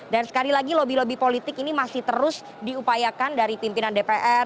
dan sekali lagi lobby lobby politik ini masih terus diupayakan dari pimpinan dpr